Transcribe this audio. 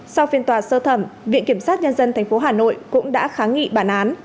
sau phiên tòa sơ thẩm viện kiểm sát nhân dân tp hà nội cũng đã kháng nghị bản án